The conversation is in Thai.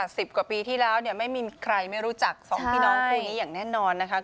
สิบกว่าปีที่แล้วเนี่ยไม่มีใครไม่รู้จักสองพี่น้องคู่นี้อย่างแน่นอนนะคะ